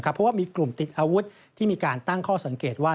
เพราะว่ามีกลุ่มติดอาวุธที่มีการตั้งข้อสังเกตว่า